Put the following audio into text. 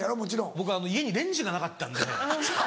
僕家にレンジがなかったんで。